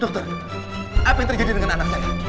dokter apa yang terjadi dengan anak saya